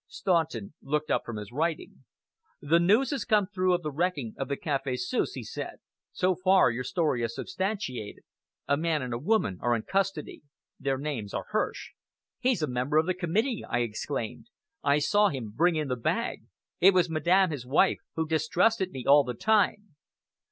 Staunton looked up from his writing. "The news has come through of the wrecking of the Café Suisse," he said. "So far your story is substantiated. A man and a woman are in custody. Their names are Hirsch!" "He's a member of the committee!" I exclaimed. "I saw him bring in the bag. It was Madame, his wife, who distrusted me all the time."